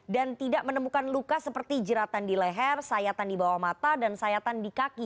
tidak menemukan luka seperti jeratan di leher sayatan di bawah mata dan sayatan di kaki